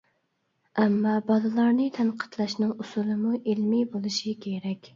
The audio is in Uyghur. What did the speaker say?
ئەمما بالىلارنى تەنقىدلەشنىڭ ئۇسۇلىمۇ ئىلمىي بولۇشى كېرەك.